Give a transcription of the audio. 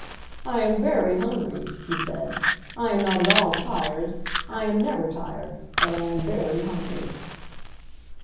"I am very hungry," he said. "I am not at all tired; I am never tired. But I am very hungry."